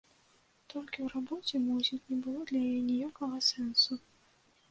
Толькі ў рабоце, мусіць, не было для яе ніякага сэнсу.